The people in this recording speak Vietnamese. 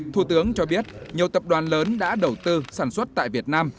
thủ tướng cho biết nhiều tập đoàn lớn đã đầu tư sản xuất tại việt nam